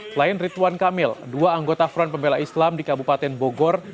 selain rituan kamil dua anggota front pembela islam di kabupaten bogor